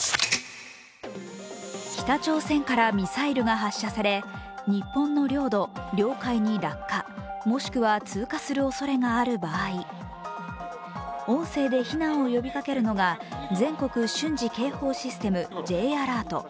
北朝鮮からミサイルが発射され日本の領土・領海に落下、もしくは通過するおそれがある場合、音声で避難を呼びかけるのが全国瞬時警報システム＝Ｊアラート。